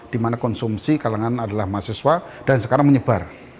di mana konsumsi kalangan adalah mahasiswa dan sekarang menyebar